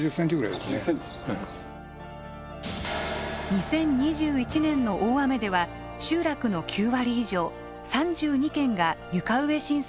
２０２１年の大雨では集落の９割以上３２軒が床上浸水しました。